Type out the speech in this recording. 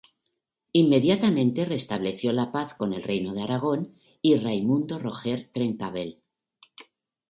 Inmediatamente restableció la paz con el Reino de Aragón y Raimundo-Roger Trencavel.